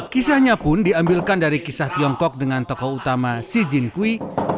kisahnya pun diambilkan dari kisah tiongkok dengan tokoh utama xi jin kwi